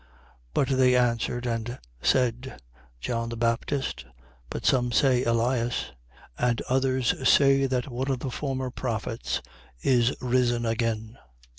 9:19. But they answered and said: John the Baptist; but some say Elias: and others say that one of the former prophets is risen again.